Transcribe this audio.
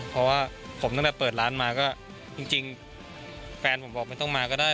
เพราะว่าผมตั้งแต่เปิดร้านมาก็จริงแฟนผมบอกไม่ต้องมาก็ได้